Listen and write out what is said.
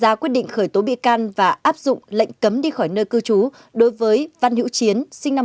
năm ra quyết định khởi tố bị can và áp dụng lệnh cấm đi khỏi nơi cư trú đối với văn hữu chiến